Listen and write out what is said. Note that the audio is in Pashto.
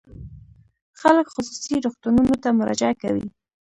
خلک خصوصي روغتونونو ته مراجعه کوي.